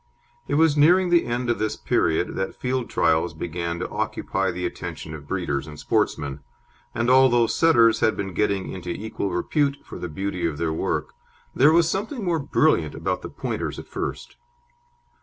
It was nearing the end of this period that field trials began to occupy the attention of breeders and sportsmen, and although Setters had been getting into equal repute for the beauty of their work, there was something more brilliant about the Pointers at first.